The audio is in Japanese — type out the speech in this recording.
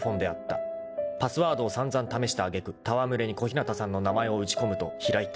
［パスワードを散々試した揚げ句戯れに小日向さんの名前を打ち込むと開いた］